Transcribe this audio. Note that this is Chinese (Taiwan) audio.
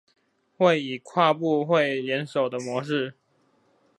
會以跨部會聯手的模式